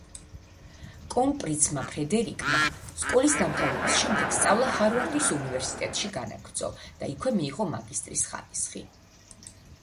კრონპრინცმა ფრედერიკმა, სკოლის დამთავრების შემდეგ სწავლა ჰარვარდის უნივერსიტეტში განაგრძო და იქვე მიიღო მაგისტრის ხარისხი.